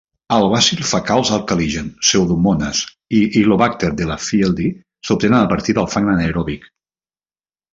El "bacil fecals alcaligen", "pseudomonas" i "illyobacter delafieldi" s'obtenen a partir del fang anaeròbic.